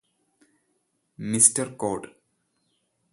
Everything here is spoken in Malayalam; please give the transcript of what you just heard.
mister Claude